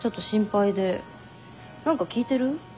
何か聞いてる？